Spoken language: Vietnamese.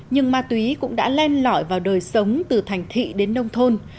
nhưng ma túy cũng đã len lõi vào đời sống từ thành thị đến nông thôn